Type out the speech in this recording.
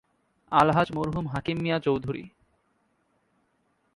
আলহাজ্ব মরহুম হাকিম মিঞা চৌধুরী।